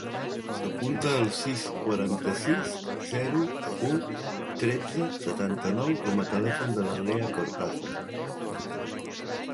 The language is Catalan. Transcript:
Apunta el sis, quaranta-sis, zero, u, tretze, setanta-nou com a telèfon de la Lea Cortazar.